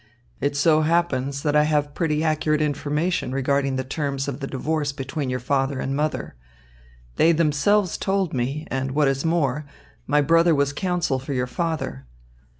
It so happens that I have pretty accurate information regarding the terms of the divorce between your father and mother. They themselves told me, and what is more, my brother was counsel for your father.